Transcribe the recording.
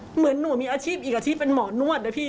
เหมือนหนูมีอาชีพอีกอาชีพเป็นหมอนวดนะพี่